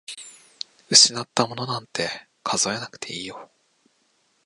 失ったものなんて数えなくていいよ。